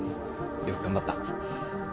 よく頑張った。